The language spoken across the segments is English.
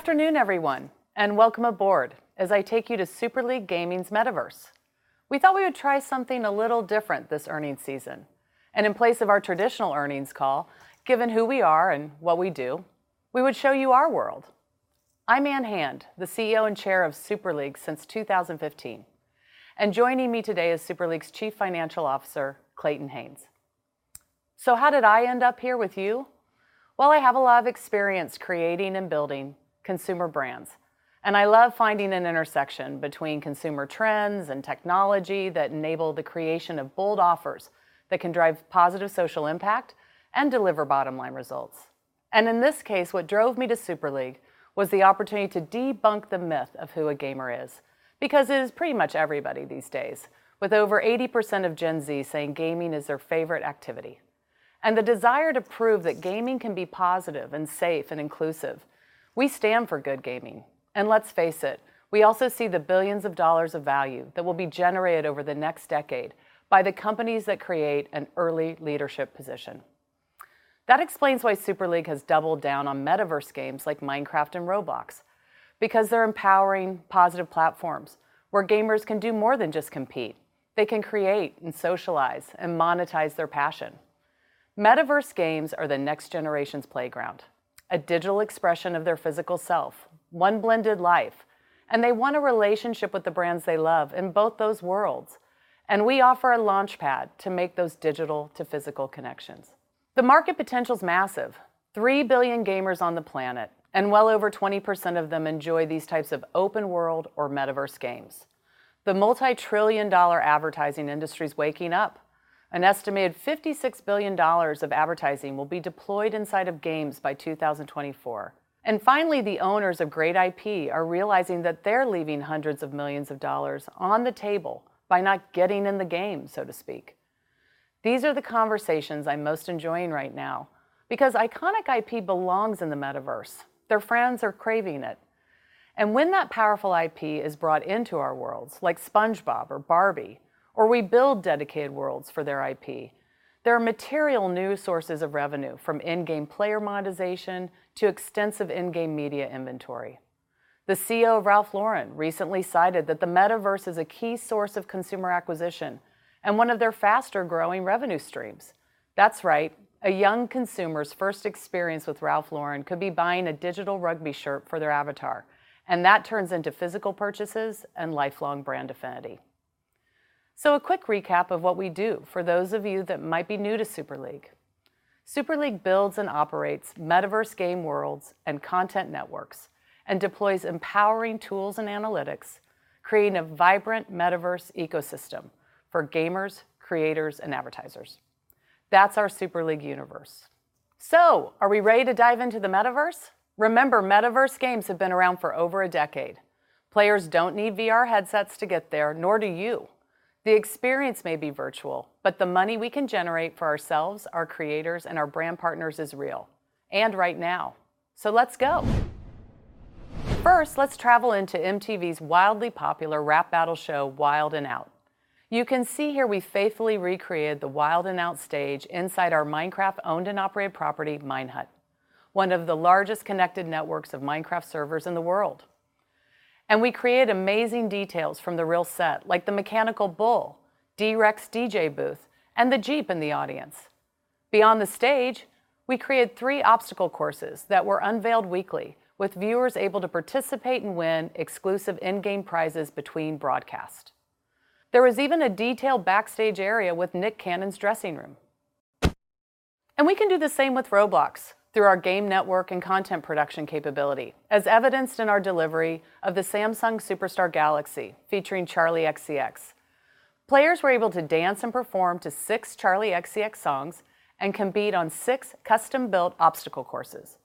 Afternoon everyone, and welcome aboard as I take you to Super League Gaming's Metaverse. We thought we would try something a little different this earnings season, and in place of our traditional earnings call, given who we are and what we do, we would show you our world. I'm Ann Hand, the CEO and Chair of Super League since 2015, and joining me today is Super League's Chief Financial Officer, Clayton Haynes. How did I end up here with you? Well, I have a lot of experience creating and building consumer brands, and I love finding an intersection between consumer trends and technology that enable the creation of bold offers that can drive positive social impact and deliver bottom line results. In this case, what drove me to Super League was the opportunity to debunk the myth of who a gamer is, because it is pretty much everybody these days, with over 80% of Gen Z saying gaming is their favorite activity. The desire to prove that gaming can be positive and safe and inclusive. We stand for good gaming. Let's face it, we also see the billions of dollars of value that will be generated over the next decade by the companies that create an early leadership position. That explains why Super League has doubled down on Metaverse games like Minecraft and Roblox, because they're empowering positive platforms where gamers can do more than just compete. They can create and socialize and monetize their passion. Metaverse games are the next generation's playground, a digital expression of their physical self, one blended life, and they want a relationship with the brands they love in both those worlds. We offer a launch pad to make those digital to physical connections. The market potential's massive. 3 billion gamers on the planet, and well over 20% of them enjoy these types of open world or Metaverse games. The multi-trillion dollar advertising industry is waking up. An estimated $56 billion of advertising will be deployed inside of games by 2024. Finally, the owners of great IP are realizing that they're leaving hundreds of millions of dollars on the table by not getting in the gam. These are the conversations I'm most enjoying right now because iconic IP belongs in the Metaverse. Their fans are craving it. When that powerful IP is brought into our worlds like SpongeBob or Barbie, or we build dedicated worlds for their IP, there are material new sources of revenue from in-game player monetization to extensive in-game media inventory. The CEO of Ralph Lauren recently cited that the Metaverse is a key source of consumer acquisition and one of their faster-growing revenue streams. That's right, a young consumer's first experience with Ralph Lauren could be buying a digital rugby shirt for their avatar, and that turns into physical purchases and lifelong brand affinity. A quick recap of what we do for those of you that might be new to Super League. Super League builds and operates Metaverse game worlds and content networks and deploys empowering tools and analytics, creating a vibrant Metaverse ecosystem for gamers, creators and advertisers. That's our Super League universe. Are we ready to dive into the Metaverse? Remember, Metaverse games have been around for over a decade. Players don't need VR headsets to get there, nor do you. The experience may be virtual, but the money we can generate for ourselves, our creators, and our brand partners is real, and right now. Let's go. First, let's travel into MTV's wildly popular rap battle show, Wild 'N Out. You can see here we faithfully recreated the Wild 'N Out stage inside our Minecraft owned and operated property, Minehut, one of the largest connected networks of Minecraft servers in the world. We create amazing details from the real set, like the mechanical bull, D-Wreck's DJ booth, and the Jeep in the audience. Beyond the stage, we created three obstacle courses that were unveiled weekly with viewers able to participate and win exclusive in-game prizes between broadcast. There was even a detailed backstage area with Nick Cannon's dressing room. We can do the same with Roblox through our game network and content production capability, as evidenced in our delivery of the Samsung Superstar Galaxy featuring Charli XCX. Players were able to dance and perform to six Charli XCX songs and compete on six custom-built obstacle courses.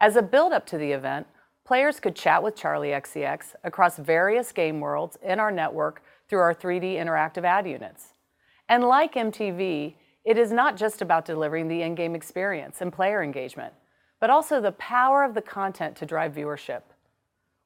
As a build-up to the event, players could chat with Charli XCX across various game worlds in our network through our 3-D interactive ad units. Like MTV, it is not just about delivering the in-game experience and player engagement, but also the power of the content to drive viewership.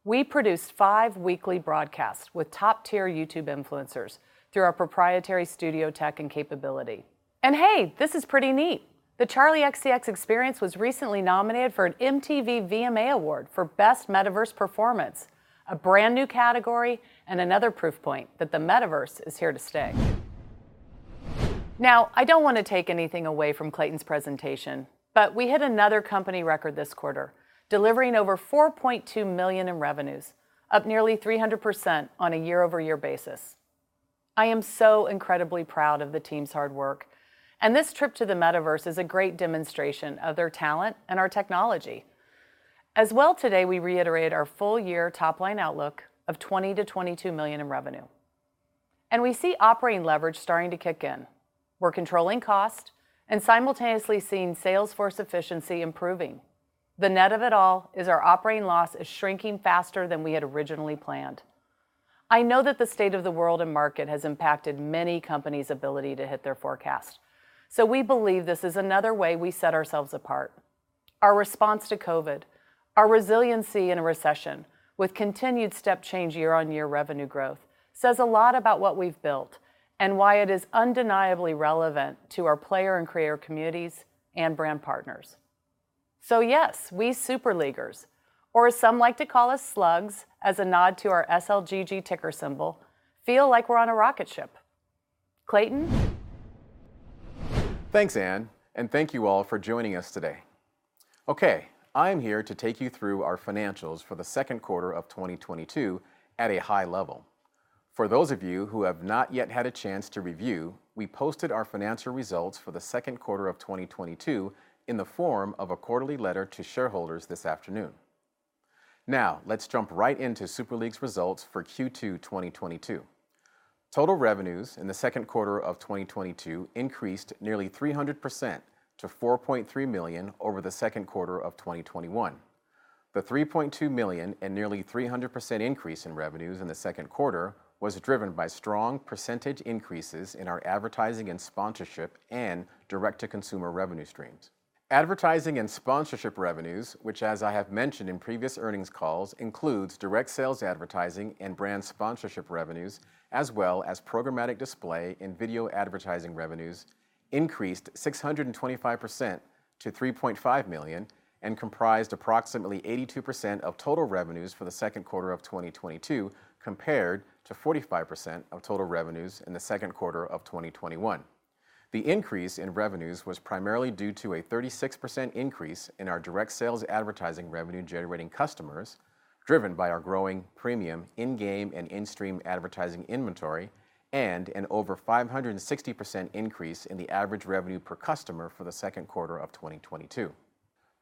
We produced five weekly broadcasts with top-tier YouTube influencers through our proprietary studio tech and capability. Hey, this is pretty neat. The Charli XCX experience was recently nominated for an MTV VMA Award for Best Metaverse Performance, a brand new category and another proof point that the Metaverse is here to stay. Now, I don't want to take anything away from Clayton's presentation, but we hit another company record this quarter, delivering over $4.2 million in revenues, up nearly 300% on a year-over-year basis. I am incredibly proud of the team's hard work, and this trip to the Metaverse is a great demonstration of their talent and our technology. As well today, we reiterated our full year top-line outlook of $20 to $22 million in revenue. We see operating leverage starting to kick in. We're controlling cost and simultaneously seeing sales force efficiency improving. The net of it all is our operating loss is shrinking faster than we had originally planned. I know that the state of the world and market has impacted many companies' ability to hit their forecast. We believe this is another way we set ourselves apart. Our response to COVID, our resiliency in a recession with continued step change year-on-year revenue growth says a lot about what we've built and why it is undeniably relevant to our player and gamer communities and brand partners. Yes, we Super Leaguers, or as some like to call us slugs as a nod to our SLGG ticker symbol, feel like we're on a rocket ship. Clayton? Thanks, Ann, and thank you all for joining us today. Okay, I am here to take you through our financials for the second quarter of 2022 at a high level. For those of you who have not yet had a chance to review, we posted our financial results for the second quarter of 2022 in the form of a quarterly letter to shareholders this afternoon. Now, let's jump right into Super League's results for Q2 2022. Total revenues in the second quarter of 2022 increased nearly 300% to $4.3 million over the second quarter of 2021. The $3.2 million and nearly 300% increase in revenues in the second quarter was driven by strong percentage increases in our advertising and sponsorship and direct-to-consumer revenue streams. Advertising and sponsorship revenues, which as I have mentioned in previous earnings calls, includes direct sales advertising and brand sponsorship revenues, as well as programmatic display and video advertising revenues increased 625% to $3.5 million and comprised approximately 82% of total revenues for the second quarter of 2022, compared to 45% of total revenues in the second quarter of 2021. The increase in revenues was primarily due to a 36% increase in our direct sales advertising revenue-generating customers, driven by our growing premium in-game and in-stream advertising inventory and an over 560% increase in the average revenue per customer for the second quarter of 2022.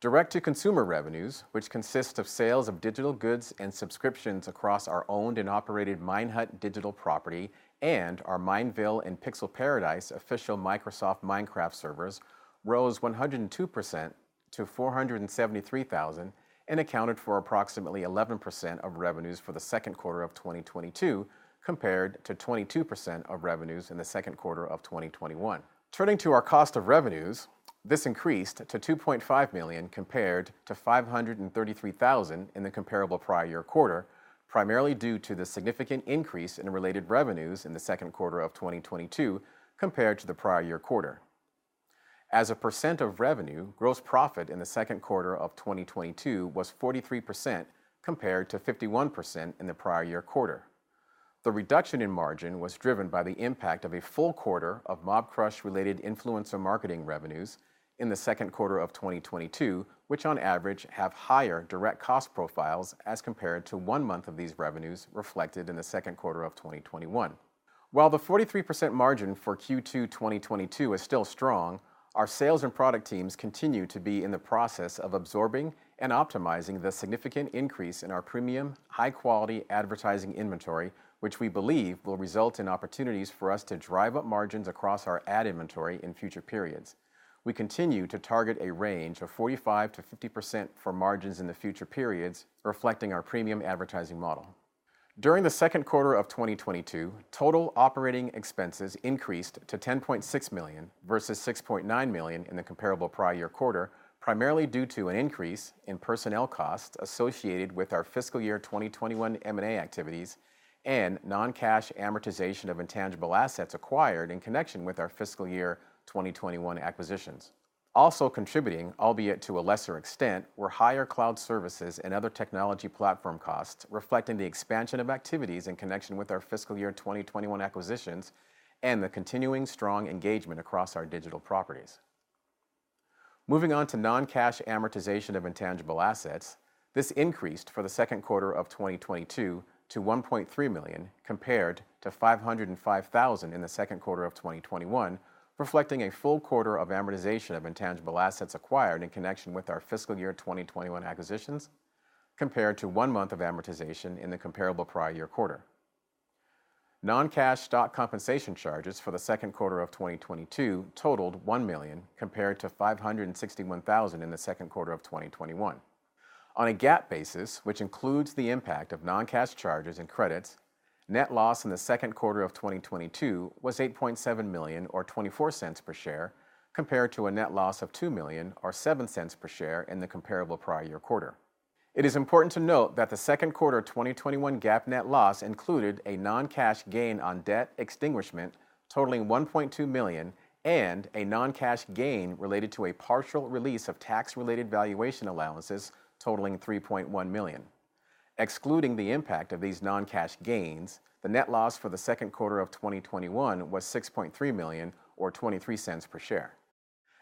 Direct-to-consumer revenues, which consists of sales of digital goods and subscriptions across our owned and operated Minehut digital property and our Mineville and Pixel Paradise official Microsoft Minecraft servers rose 102% to $473,000 and accounted for approximately 11% of revenues for the second quarter of 2022, compared to 22% of revenues in the second quarter of 2021. Turning to our cost of revenues, this increased to $2.5 million compared to $533,000 in the comparable prior year quarter, primarily due to the significant increase in related revenues in the second quarter of 2022 compared to the prior year quarter. As a percent of revenue, gross profit in the second quarter of 2022 was 43% compared to 51% in the prior year quarter. The reduction in margin was driven by the impact of a full quarter of Mobcrush related influencer marketing revenues in the second quarter of 2022, which on average have higher direct cost profiles as compared to one month of these revenues reflected in the second quarter of 2021. While the 43% margin for Q2 2022 is still strong, our sales and product teams continue to be in the process of absorbing and optimizing the significant increase in our premium high-quality advertising inventory, which we believe will result in opportunities for us to drive up margins across our ad inventory in future periods. We continue to target a range of 45% to 50% for margins in the future periods, reflecting our premium advertising model. During the second quarter of 2022, total operating expenses increased to $10.6 million versus $6.9 million in the comparable prior year quarter, primarily due to an increase in personnel costs associated with our fiscal year 2021 M&A activities and non-cash amortization of intangible assets acquired in connection with our fiscal year 2021 acquisitions. Also contributing, albeit to a lesser extent, were higher cloud services and other technology platform costs, reflecting the expansion of activities in connection with our fiscal year 2021 acquisitions and the continuing strong engagement across our digital properties. Moving on to non-cash amortization of intangible assets, this increased for the second quarter of 2022 to $1.3 million, compared to $505,000 in the second quarter of 2021, reflecting a full quarter of amortization of intangible assets acquired in connection with our fiscal year 2021 acquisitions, compared to one month of amortization in the comparable prior year quarter. Non-cash stock compensation charges for the second quarter of 2022 totaled $1 million, compared to $561,000 in the second quarter of 2021. On a GAAP basis, which includes the impact of non-cash charges and credits, net loss in the second quarter of 2022 was $8.7 million or $0.24 per share, compared to a net loss of $2 million or $0.07 per share in the comparable prior year quarter. It is important to note that the second quarter 2021 GAAP net loss included a non-cash gain on debt extinguishment totaling $1.2 million and a non-cash gain related to a partial release of tax-related valuation allowances totaling $3.1 million. Excluding the impact of these non-cash gains, the net loss for the second quarter of 2021 was $6.3 million or $0.23 per share.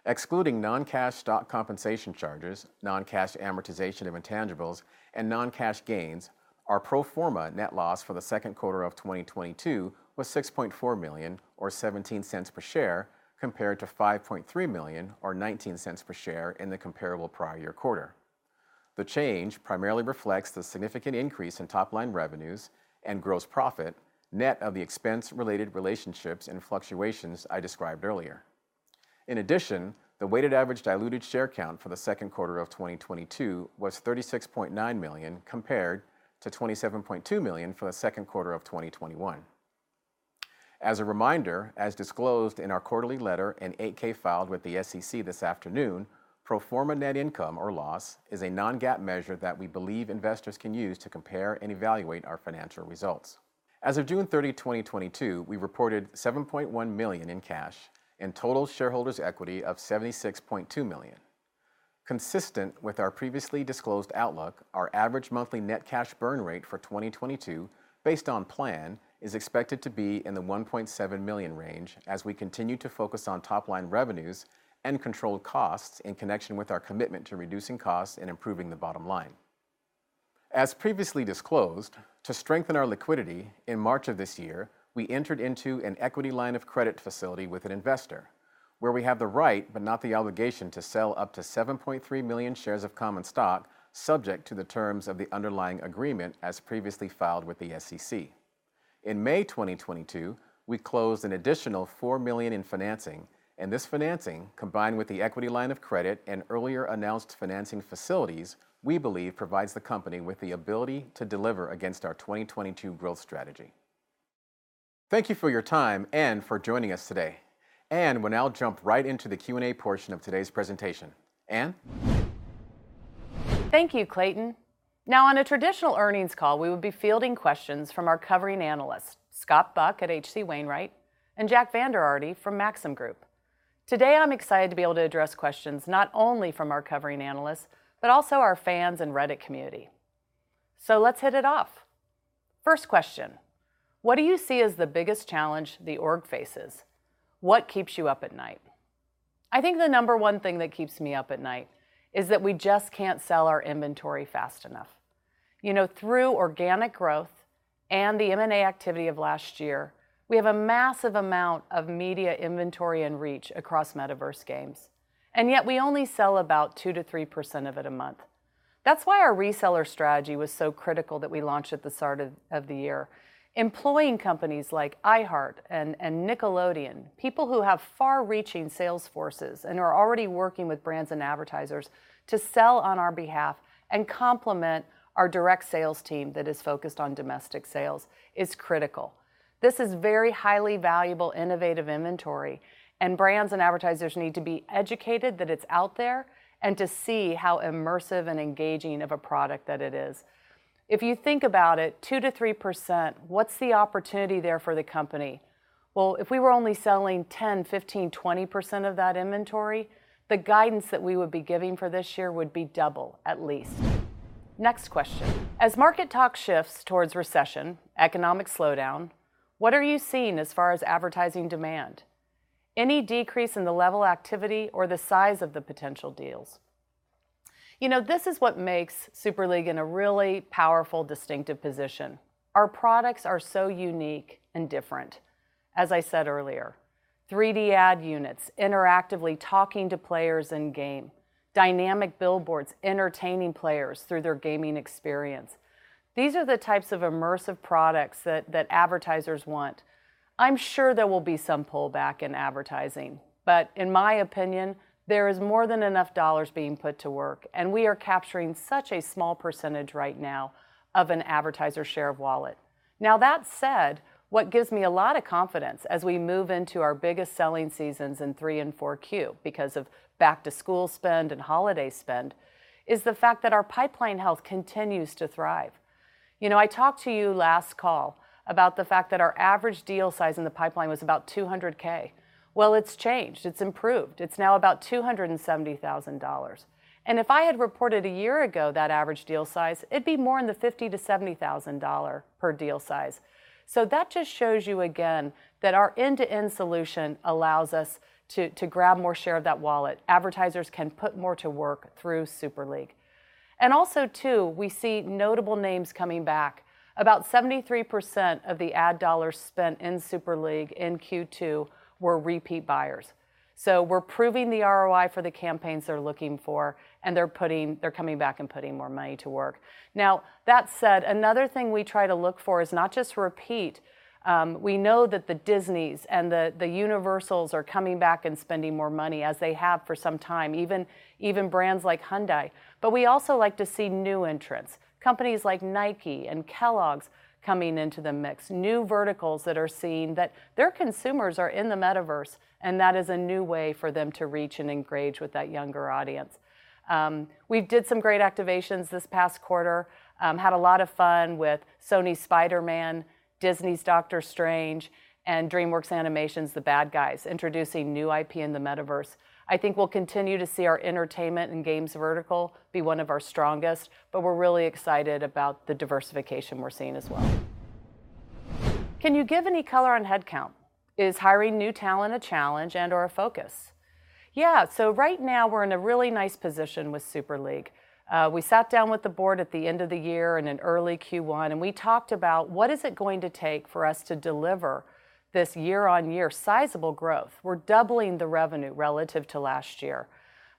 Excluding non-cash stock compensation charges, non-cash amortization of intangibles, and non-cash gains, our pro forma net loss for the second quarter of 2022 was $6.4 million or $0.17 per share, compared to $5.3 million or $0.19 per share in the comparable prior year quarter. The change primarily reflects the significant increase in top-line revenues and gross profit, net of the expense related relationships and fluctuations I described earlier. In addition, the weighted average diluted share count for the second quarter of 2022 was 36.9 million, compared to 27.2 million for the second quarter of 2021. As a reminder, as disclosed in our quarterly letter and 8-K filed with the SEC this afternoon, pro forma net income or loss is a non-GAAP measure that we believe investors can use to compare and evaluate our financial results. As of 30 June 2022, we reported $7.1 million in cash and total shareholders' equity of $76.2 million. Consistent with our previously disclosed outlook, our average monthly net cash burn rate for 2022, based on plan, is expected to be in the $1.7 million range as we continue to focus on top-line revenues and controlled costs in connection with our commitment to reducing costs and improving the bottom line. As previously disclosed, to strengthen our liquidity, in March of this year, we entered into an equity line of credit facility with an investor where we have the right, but not the obligation, to sell up to 7.3 million shares of common stock, subject to the terms of the underlying agreement as previously filed with the SEC. In May 2022, we closed an additional $4 million in financing, and this financing, combined with the equity line of credit and earlier announced financing facilities, we believe provides the company with the ability to deliver against our 2022 growth strategy. Thank you for your time and for joining us today. Ann will now jump right into the Q&A portion of today's presentation. Ann? Thank you, Clayton Haynes. Now, on a traditional earnings call, we would be fielding questions from our covering analysts, Scott Buck at H.C. Wainwright and Jack Vander Aarde from Maxim Group. Today, I'm excited to be able to address questions not only from our covering analysts, but also our fans and Reddit community. Let's hit it off. First question: What do you see as the biggest challenge the org faces? What keeps you up at night? I think the number-one thing that keeps me up at night is that we just can't sell our inventory fast enough. Through organic growth and the M&A activity of last year, we have a massive amount of media inventory and reach across metaverse games, and yet we only sell about 2% to 3% of it a month. That's why our reseller strategy was critical that we launched at the start of the year. Employing companies like iHeart and Nickelodeon, people who have far-reaching sales forces and are already working with brands and advertisers to sell on our behalf and complement our direct sales team that is focused on domestic sales, is critical. This is very highly valuable, innovative inventory, and brands and advertisers need to be educated that it's out there and to see how immersive and engaging of a product that it is. If you think about it, 2% to 3%, what's the opportunity there for the company? Well, if we were only selling 10%, 15%, 20% of that inventory, the guidance that we would be giving for this year would be double at least. Next question: As market talk shifts towards recession, economic slowdown, what are you seeing as far as advertising demand? Any decrease in the level activity or the size of the potential deals? this is what makes Super League in a really powerful, distinctive position. Our products are unique and different. As I said earlier, 3-D ad units interactively talking to players in game, dynamic billboards entertaining players through their gaming experience. These are the types of immersive products that advertisers want. I'm sure there will be some pullback in advertising, but in my opinion, there is more than enough dollars being put to work, and we are capturing such a small percentage right now of an advertiser's share of wallet. That said, what gives me a lot of confidence as we move into our biggest-selling seasons in Q3 and Q4 because of back-to-school spend and holiday spend, is the fact that our pipeline health continues to thrive. I talked to you last call about the fact that our average deal size in the pipeline was about $200K. Well, it's changed. It's improved. It's now about $270,000. If I had reported a year ago that average deal size, it'd be more in the $50,000-$70,000 per deal size. That just shows you again that our end-to-end solution allows us to grab more share of that wallet. Advertisers can put more to work through Super League. Also too, we see notable names coming back. About 73% of the ad dollars spent in Super League in Q2 were repeat buyers. We're proving the ROI for the campaigns they're looking for, and they're coming back and putting more money to work. Now, that said, another thing we try to look for is not just repeat. We know that the Disney and the Universal are coming back and spending more money as they have for some time, even brands like Hyundai, but we also like to see new entrants, companies like Nike and Kellogg's coming into the mix. New verticals that are seeing that their consumers are in the metaverse, and that is a new way for them to reach and engage with that younger audience. We did some great activations this past quarter. Had a lot of fun with Sony's Spider-Man, Disney's Doctor Strange, and DreamWorks Animation's The Bad Guys, introducing new IP in the metaverse. I think we'll continue to see our entertainment and games vertical be one of our strongest, but we're really excited about the diversification we're seeing as well. Can you give any color on headcount? Is hiring new talent a challenge and/or a focus? Right now, we're in a really nice position with Super League. We sat down with the board at the end of the year and in early Q1, and we talked about what it is going to take for us to deliver this year-on-year sizable growth. We're doubling the revenue relative to last year.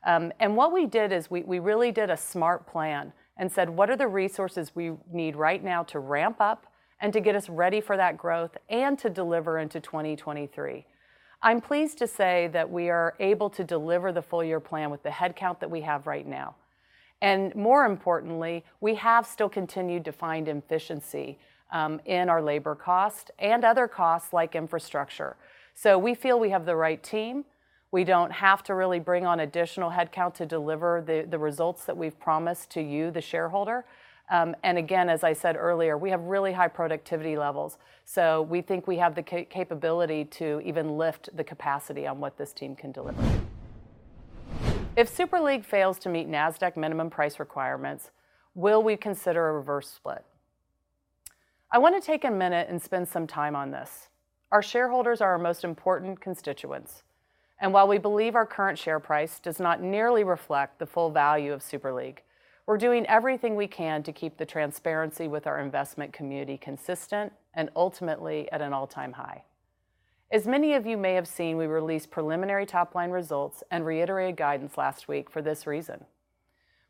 What we did is we really did a smart plan and said, "What are the resources we need right now to ramp up and to get us ready for that growth and to deliver into 2023?" I'm pleased to say that we are able to deliver the full-year plan with the headcount that we have right now. More importantly, we have still continued to find efficiency in our labor cost and other costs like infrastructure. We feel we have the right team. We don't have to really bring on additional headcount to deliver the results that we've promised to you, the shareholder. Again, as I said earlier, we have really high productivity levels, we think we have the capability to even lift the capacity on what this team can deliver. If Super League fails to meet Nasdaq minimum price requirements, will we consider a reverse split? I wanna take a minute and spend some time on this. Our shareholders are our most important constituents, and while we believe our current share price does not nearly reflect the full value of Super League, we're doing everything we can to keep the transparency with our investment community consistent, and ultimately, at an all-time high. As many of you may have seen, we released preliminary top-line results and reiterated guidance last week for this reason.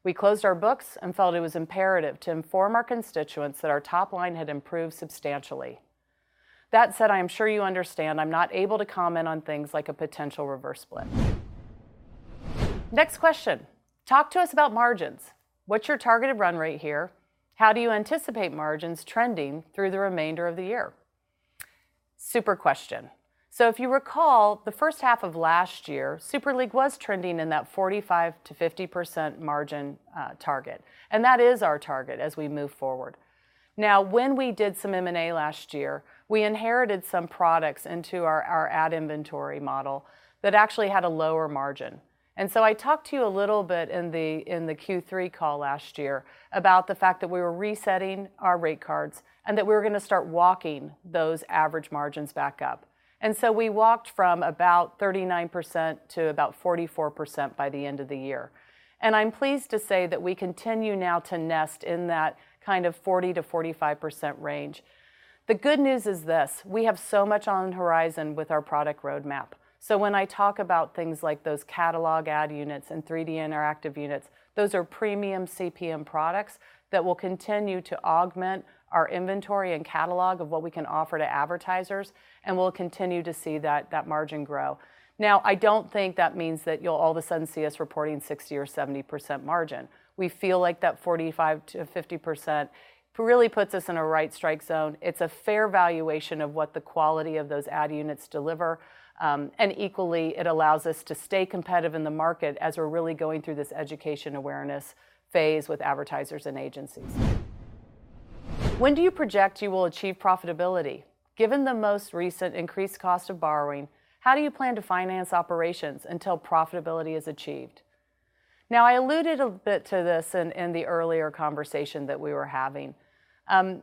We closed our books and felt it was imperative to inform our constituents that our top line had improved substantially. That said, I am sure you understand I'm not able to comment on things like a potential reverse split. Next question, talk to us about margins. What's your targeted run rate here? How do you anticipate margins trending through the remainder of the year? Super question. If you recall, the first half of last year, Super League was trending in that 45% to 50% margin target, and that is our target as we move forward. Now, when we did some M&A last year, we inherited some products into our ad inventory model that actually had a lower margin. I talked to you a little bit in the Q3 call last year about the fact that we were resetting our rate cards and that we were gonna start walking those average margins back up. We walked from about 39% to about 44% by the end of the year. I'm pleased to say that we continue now to nest in that kind of 40% to 45% range. The good news is this: we have much on the horizon with our product roadmap. When I talk about things like those catalog ad units and 3D interactive units, those are premium CPM products that will continue to augment our inventory and catalog of what we can offer to advertisers, and we'll continue to see that margin grow. Now, I don't think that means that you'll all of a sudden see us reporting 60% or 70% margin. We feel like that 45% to 50% really puts us in a right strike zone. It's a fair valuation of what the quality of those ad units deliver, and equally it allows us to stay competitive in the market as we're really going through this education awareness phase with advertisers and agencies. "When do you project you will achieve profitability? Given the most recent increased cost of borrowing, how do you plan to finance operations until profitability is achieved?" Now, I alluded a bit to this in the earlier conversation that we were having.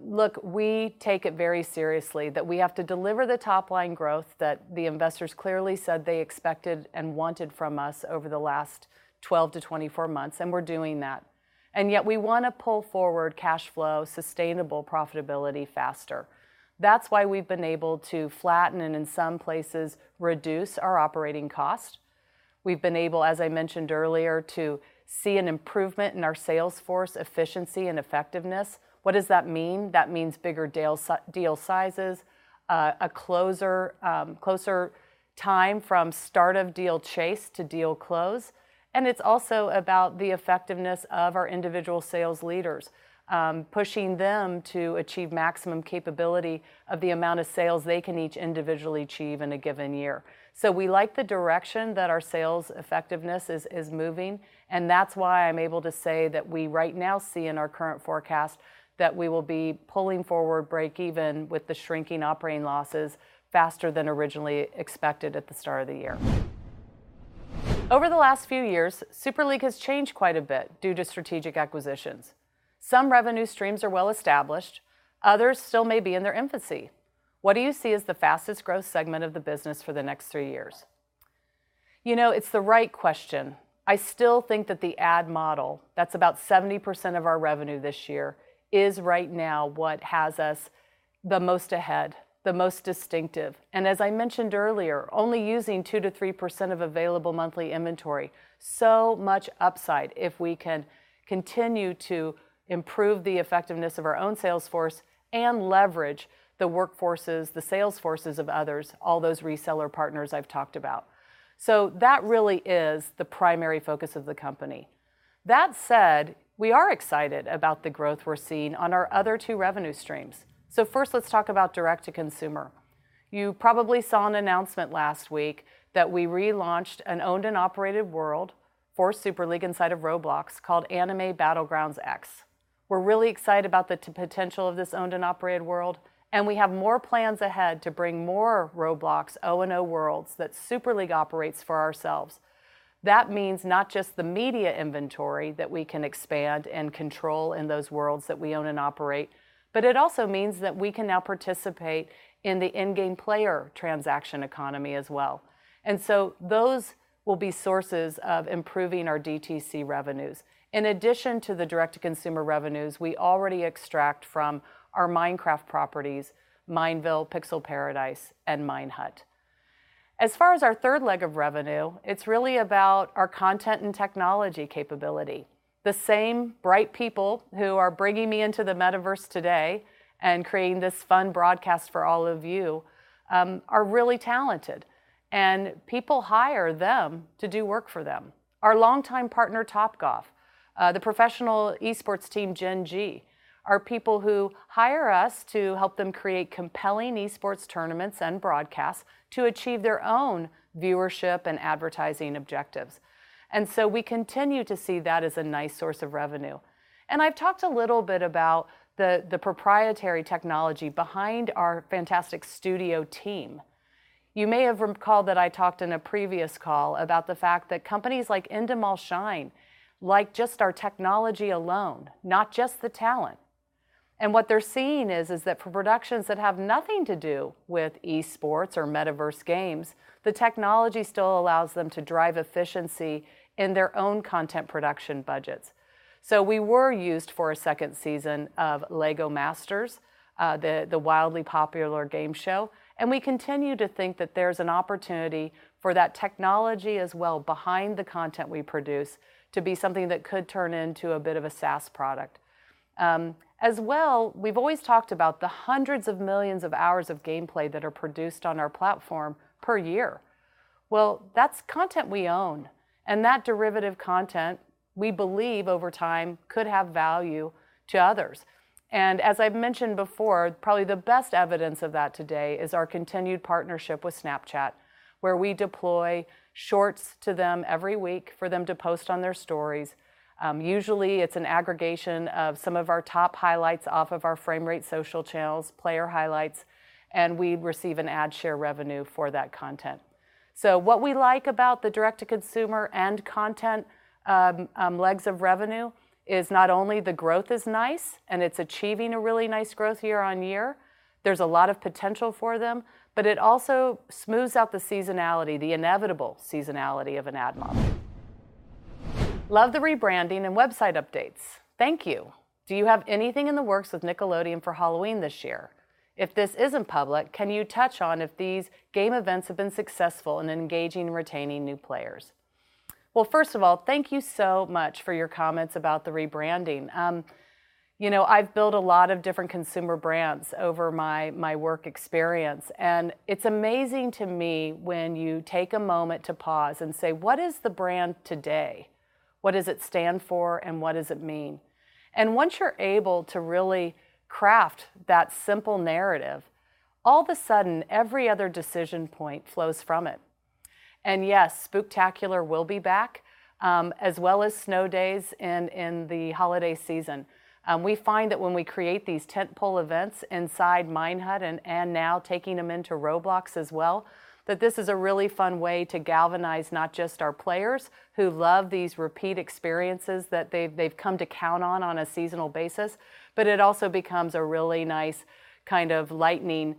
Look, we take it very seriously that we have to deliver the top-line growth that the investors clearly said they expected and wanted from us over the last 12-24 months, and we're doing that. Yet we wanna pull forward cash flow, sustainable profitability faster. That's why we've been able to flatten and, in some places, reduce our operating cost. We've been able, as I mentioned earlier, to see an improvement in our sales force efficiency and effectiveness. What does that mean? That means bigger deal sizes, a closer time from start of deal chase to deal close, and it's also about the effectiveness of our individual sales leaders, pushing them to achieve maximum capability of the amount of sales they can each individually achieve in a given year. We like the direction that our sales effectiveness is moving, and that's why I'm able to say that we right now see in our current forecast that we will be pulling forward breakeven with the shrinking operating losses faster than originally expected at the start of the year. "Over the last few years, Super League has changed quite a bit due to strategic acquisitions. Some revenue streams are well established, others still may be in their infancy. What do you see as the fastest growth segment of the business for the next 3 years?" it's the right question. I still think that the ad model, that's about 70% of our revenue this year, is right now what has us the most ahead, the most distinctive. As I mentioned earlier, only using 2% to 3% of available monthly inventory, upside if we can continue to improve the effectiveness of our own sales force and leverage the workforces, the sales forces of others, all those reseller partners I've talked about. That really is the primary focus of the company. That said, we are excited about the growth we're seeing on our other 2 revenue streams. First, let's talk about direct-to-consumer. You probably saw an announcement last week that we relaunched an owned and operated world for Super League inside of Roblox called Anime Battlegrounds X. We're really excited about the potential of this owned and operated world, and we have more plans ahead to bring more Roblox O&O worlds that Super League operates for ourselves. That means not just the media inventory that we can expand and control in those worlds that we own and operate, but it also means that we can now participate in the in-game player transaction economy as well. Those will be sources of improving our DTC revenues. In addition to the direct-to-consumer revenues we already extract from our Minecraft properties, Mineville, Pixel Paradise, and Minehut. As far as our third leg of revenue, it's really about our content and technology capability. The same bright people who are bringing me into the metaverse today and creating this fun broadcast for all of you are really talented, and people hire them to do work for them. Our longtime partner Topgolf, the professional esports team Gen.G, are people who hire us to help them create compelling esports tournaments and broadcasts to achieve their own viewership and advertising objectives. We continue to see that as a nice source of revenue. I've talked a little bit about the proprietary technology behind our fantastic studio team. You may have recalled that I talked in a previous call about the fact that companies like Endemol Shine, just our technology alone, not just the talent. What they're seeing is that for productions that have nothing to do with esports or metaverse games, the technology still allows them to drive efficiency in their own content production budgets. We were used for a second season of LEGO Masters, the wildly popular game show, and we continue to think that there's an opportunity for that technology as well behind the content we produce to be something that could turn into a bit of a SaaS product. As well, we've always talked about the hundreds of millions of hours of gameplay that are produced on our platform per year. Well, that's content we own, and that derivative content we believe over time could have value to others. As I've mentioned before, probably the best evidence of that today is our continued partnership with Snapchat, where we deploy shorts to them every week for them to post on their stories. Usually, it's an aggregation of some of our top highlights off of our Framerate social channels, player highlights, and we receive an ad share revenue for that content. What we like about the direct-to-consumer and content legs of revenue is not only the growth is nice, and it's achieving a really nice growth year-over-year, there's a lot of potential for them, but it also smooths out the seasonality, the inevitable seasonality of an ad model. "Love the rebranding and website updates." Thank you. "Do you have anything in the works with Nickelodeon for Halloween this year? If this isn't public, can you touch on if these game events have been successful in engaging and retaining new players?" Well, first of all, thank you so much for your comments about the rebranding. I've built a lot of different consumer brands over my work experience, and it's amazing to me when you take a moment to pause and say, "What is the brand today? What does it stand for, and what does it mean?" Once you're able to really craft that simple narrative, all of a sudden, every other decision point flows from it. Yes, Spooktacular will be back, as well as Snow Days in the holiday season. We find that when we create these tentpole events inside Minehut and now taking them into Roblox as well, that this is a really fun way to galvanize not just our players, who love these repeat experiences that they've come to count on on a seasonal basis, but it also becomes a really nice kind of lightning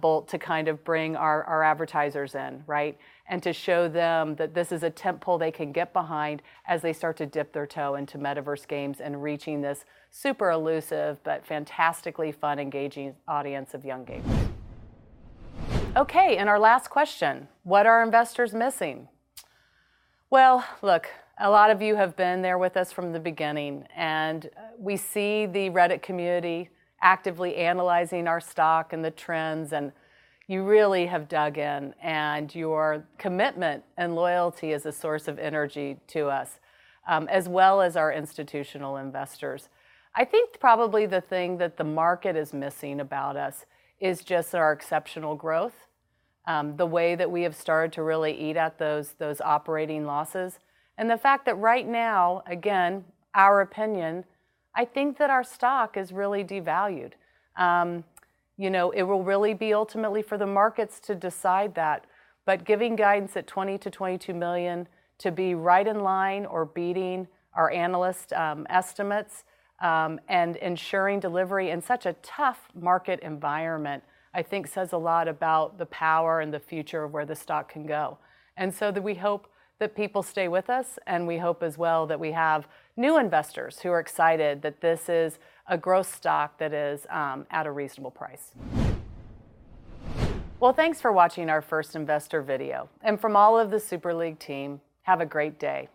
bolt to kind of bring our advertisers in, right. And to show them that this is a tentpole they can get behind as they start to dip their toe into metaverse games and reaching this super elusive but fantastically fun, engaging audience of young gamers. Okay, our last question: "What are investors missing?" Well, look, a lot of you have been there with us from the beginning, and we see the Reddit community actively analyzing our stock and the trends, and you really have dug in, and your commitment and loyalty is a source of energy to us, as well as our institutional investors. I think probably the thing that the market is missing about us is just our exceptional growth, the way that we have started to really eat at those operating losses, and the fact that right now, again, our opinion, I think that our stock is really devalued. It will really be ultimately for the markets to decide that, but giving guidance at $20 million to $22 million to be right in line or beating our analyst estimates, and ensuring delivery in such a tough market environment, I think says a lot about the power and the future of where the stock can go. That we hope that people stay with us, and we hope as well that we have new investors who are excited that this is a growth stock that is at a reasonable price. Well, thanks for watching our first investor video, and from all of the Super League team, have a great day.